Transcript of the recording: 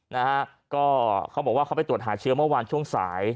นะฮะก็เขาบอกว่าเขาไปตรวจหาเชื้อเมื่อวานช่วงสาย